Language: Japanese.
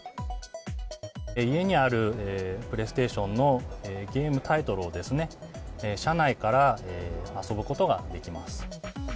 家にあるプレイステーションのゲームタイトルをですね、車内から遊ぶことができます。